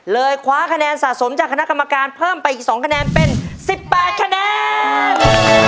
คว้าคะแนนสะสมจากคณะกรรมการเพิ่มไปอีก๒คะแนนเป็น๑๘คะแนน